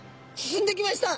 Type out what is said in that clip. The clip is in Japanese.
進んでいきました。